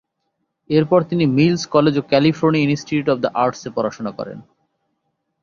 এরপর তিনি Mills college ও ক্যালিফোর্নিয়া ইনস্টিটিউট অব দি আর্টসে পড়াশোনা করেন।